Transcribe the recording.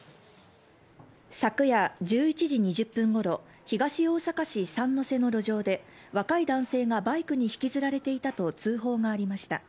昨夜１１時２０分頃、東大阪市三ノ瀬の路上で若い男性がバイクに引きずられていたと通報がありました。